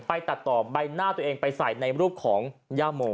ตัดต่อใบหน้าตัวเองไปใส่ในรูปของย่าโม